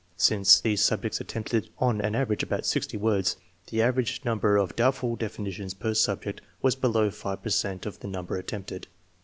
Since these subjects attempted on an average about 60 words, the average number of doubtful definitions per subject was below 5 per cent of the number attempted.